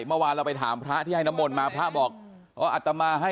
เมื่อวานเราไปถามพระที่ให้น้ำมนต์มาพระบอกอ๋ออัตมาให้